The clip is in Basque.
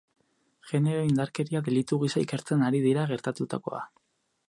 Genero indarkeria delitu gisa ikertzen ari dira gertatutakoa.